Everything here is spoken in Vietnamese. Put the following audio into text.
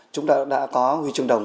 chúng ta đã có huy trường đồng